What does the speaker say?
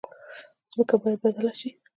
ځمکه باید بدله شي.